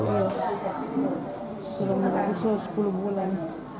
selama lebih sepuluh bulan